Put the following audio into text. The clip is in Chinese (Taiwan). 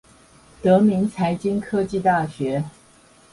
德明財經科技大學